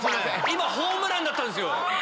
今ホームランだったんですよ。